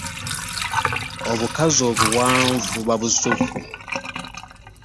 Obukazi obuwanvu buba busuffu.